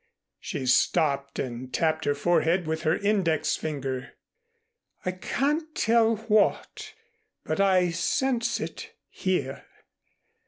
She stopped and tapped her forehead with her index finger. "I can't tell what but I sense it here.